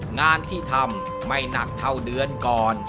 งานที่ทำไม่หนักเท่าเดือนก่อน